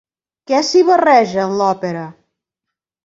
Què s'hi barreja en l'òpera?